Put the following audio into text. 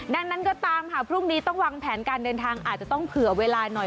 ดังนั้นก็ตามค่ะพรุ่งนี้ต้องวางแผนการเดินทางอาจจะต้องเผื่อเวลาหน่อย